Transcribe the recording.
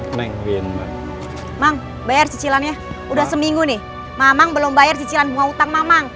bang bayar cicilannya udah seminggu nih mamang belum bayar cicilan bunga utang mamang